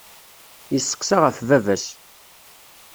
Yesseqsa ɣef baba-s.